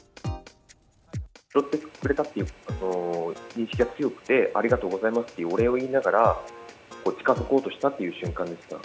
拾ってくれたっていう認識が強くて、ありがとうございますってお礼を言いながら、近づこうとした瞬間でした。